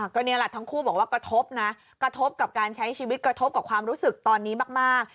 ก็นี่แหละทั้งคู่บอกว่ากระทบนะกระทบกับการใช้ชีวิตกระทบกับความรู้สึกตอนนี้มาก